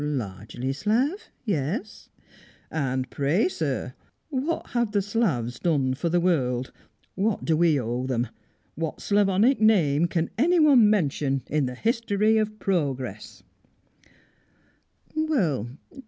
"Largely Slav, yes." "And pray, sir, what have the Slavs done for the world? What do we owe them? What Slavonic name can anyone mention in the history of progress?"